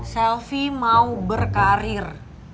selfie mau berkarir